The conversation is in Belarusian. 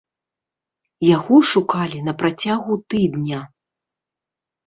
Яго шукалі на працягу тыдня.